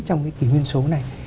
trong cái kỷ nguyên số này